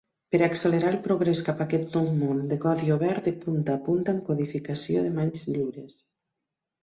Per accelerar el progrés cap a aquest nou món de codi obert de punta a punta amb codificació de mans lliures.